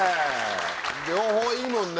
両方いいもんね。